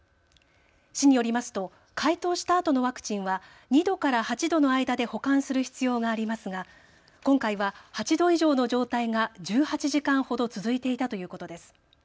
市によりますと解凍したあとのワクチンは２度から８度の間で保管する必要がありますが今回は８度以上の状態が１８時間ほど続いていたということです。